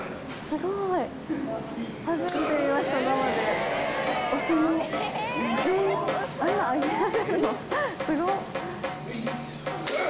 すごい。え？